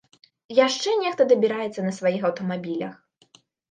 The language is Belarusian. Яшчэ нехта дабіраецца на сваіх аўтамабілях.